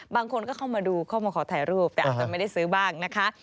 บางคนก็เข้ามาดูเข้ามาขอถ่ายรูปแต่อาจจะไม่ได้ซื้อบ้างนะคะ